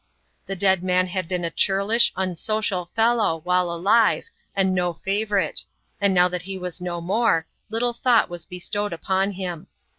The dead man had been a churlish, unsocial fellow, while alive, and no favourite ; and now that he was no more, fittle thought was bestowed upon him.